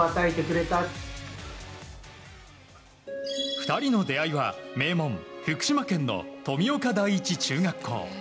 ２人の出会いは名門・福島県の富岡第一中学校。